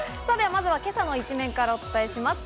まずは今朝の一面からお伝えします。